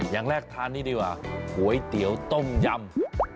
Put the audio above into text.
อย่างแรกทานนี่ดีกว่าก๋วยเตี๋ยวต้มยำ